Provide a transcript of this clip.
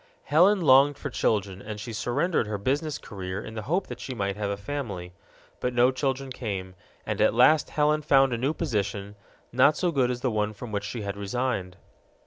Helen longed for children, and she surrendered her business career in the hope that she might have a family. But no children came, and at last Helen found a new position, not so good as the one from which she had resigned.